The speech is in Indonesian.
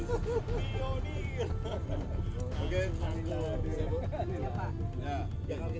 oke kita langsung ke belakang